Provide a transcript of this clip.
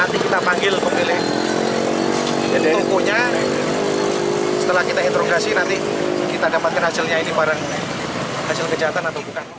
jadi nanti kita panggil pemilih tukunya setelah kita interogasi nanti kita dapatkan hasilnya ini barang hasil kejahatan atau bukan